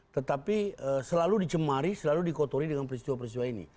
tetapi selalu dicemari selalu dikotori dengan peristiwa peristiwa ini